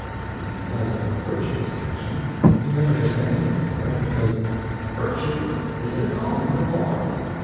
If he does a virtuous action, he never gets anything for it, because "Virtue is its own reward."